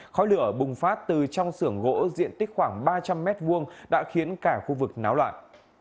khói lửa bùng phát từ trong xưởng gỗ diện tích khoảng ba trăm linh m hai đã khiến cả khu vực náo loạn